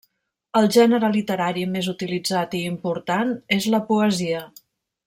El gènere literari més utilitzat i important és la poesia.